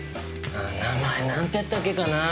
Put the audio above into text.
名前何てったっけかなぁ